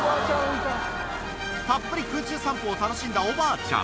たっぷり空中散歩を楽しんだおばあちゃん。